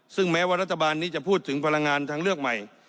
ซึ่งแม้ว่ารัฐบาลนี้จะพูดถึงพลังงานทางเลือกใหม่